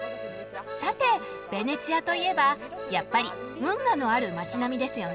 さてベネチアといえばやっぱり運河のある街並みですよね。